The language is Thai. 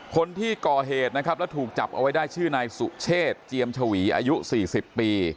คนที่ก่อเหตุนะครับแล้วถูกจับเอาไว้ได้ชื่อนายสุเชษเจียมชวีอายุ๔๐ปี